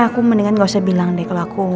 aku mendingan gak usah bilang deh kalau aku